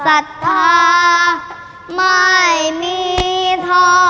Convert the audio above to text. สัตว์ภาพไม่มีท้อ